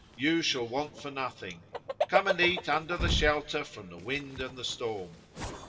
You shall want for nothing. Come and eat under shelter from the wind and the storm."